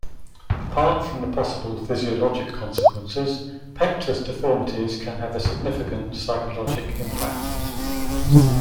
Apart from the possible physiologic consequences, pectus deformities can have a significant psychologic impact.